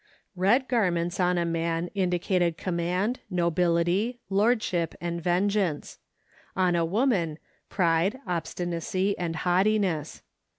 Red garments on a man indicated command, nobility, lordship, and vengeance; on a woman, pride, obstinacy, and haughtiness.